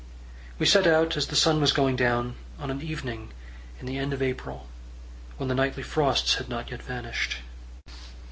We set out as the sun was going down on an evening in the end of April, when the nightly frosts had not yet vanished.